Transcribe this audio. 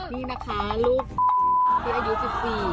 นี่นะคะลูกนี่อายุสิบซี่